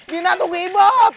gina tuh ke ibob